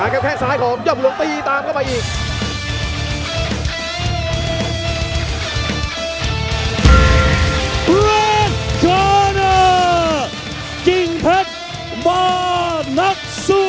แต่แค่สายของยอมลงตีตามเข้าไปอีก